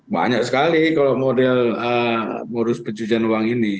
banyak sekali kalau model modus pencucian uang ini